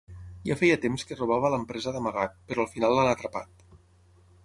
Ja feia temps que robava a l'empresa d'amagat, però al final l'han atrapat.